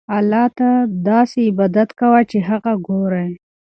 الله ته داسې عبادت کوه چې هغه ګورې.